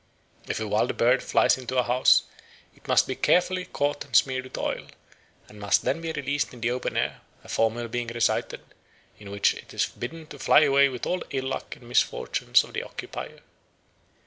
If a wild bird flies into a house, it must be carefully caught and smeared with oil, and must then be released in the open air, a formula being recited in which it is bidden to fly away with all the ill luck and misfortunes of the occupier."